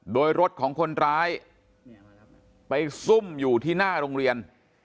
โดยรถของคนร้ายไปซุ่มอยู่ที่หน้าโรงเรียน